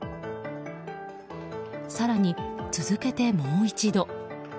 更に、続けてもう一度。